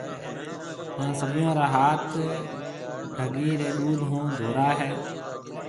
ھان سڀون را ھاٿ ڍگِي رَي ڏُوڌ ھون ڌورائيَ ھيَََ